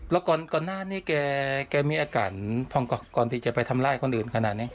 แล้วก่อนหน้านี้แกมีอาการพองก่อนที่จะไปทำร้ายคนอื่นขนาดนี้